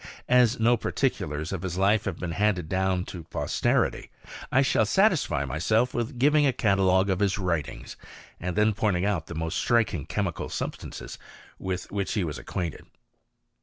As no particulars of his life have been handed down to posterity, I shall satisfy myself with giving a catalogue of his writings, and then pointing out the most striking chemical substances with which he was acquainted.